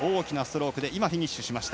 大きなストロークでフィニッシュ。